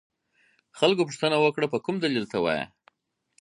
خلکو پوښتنه وکړه په کوم دلیل ته وایې.